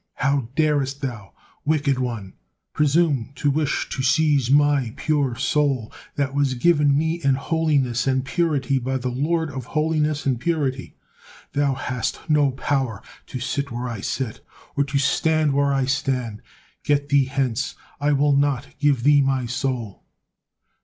How darest thou, wicked one, presume to wish to seize my pure soul that was given me in holiness and purity by the Lord of holiness and purity? Thou hast no power to sit where I sit, or to stand where I stand. Get thee hence, I will not give thee my soul."